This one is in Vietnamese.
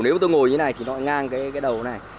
nếu tôi ngồi như thế này thì nó lại ngang cái đầu này